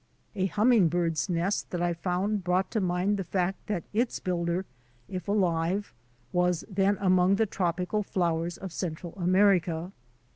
A humming bird's nest that I found brought to mind the fact that its builder, if alive, was then among the tropi cal flowers of Central America.